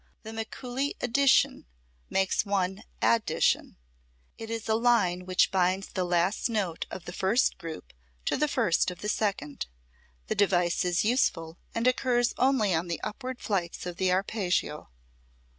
The Mikuli edition makes one addition: it is a line which binds the last note of the first group to the first of the second. The device is useful, and occurs only on the upward flights of the arpeggio.